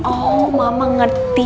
oh mama ngerti